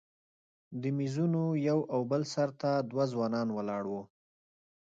د میزونو یو او بل سر ته دوه ځوانان ولاړ وو.